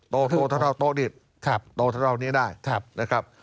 โตโตโตโตโตนี้ครับโตโตโตนี้ได้ครับนะครับ